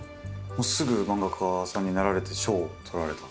もうすぐ漫画家さんになられて賞をとられた？